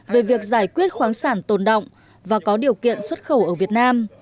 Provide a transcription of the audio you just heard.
về việc giải quyết khoáng sản tồn động và có điều kiện xuất khẩu ở việt nam